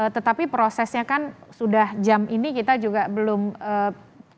tetapi prosesnya kan sudah jam ini kita juga belum